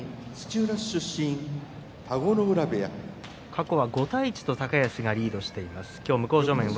過去は５対１と高安がリードしています。